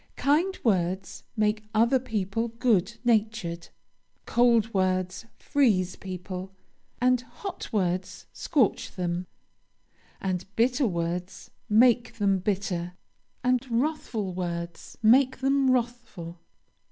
Kind words make other people good natured. Cold words freeze people, and hot words scorch them, and bitter words make them bitter, and wrathful words make them wrathful.